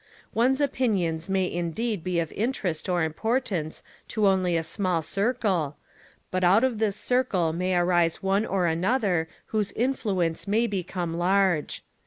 One's opinions may indeed be of interest or importance to only a small circle, but out of this circle may arise one or another whose influence may become large.